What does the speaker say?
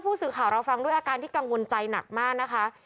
เพราะเราฟังด้วยอาการที่กังวลใจหนักมากนะคะ